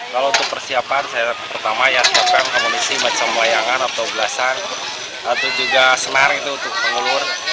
kalau untuk persiapan saya pertama ya tsb aku mengisi macam layangan atau belasan atau juga senar itu untuk pengulur